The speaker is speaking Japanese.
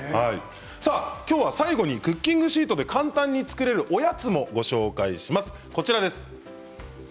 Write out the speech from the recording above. きょうはクッキングシートで簡単に作れるおやつをご紹介します。